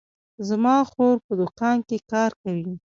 زما خور په دوکان کې کار کوي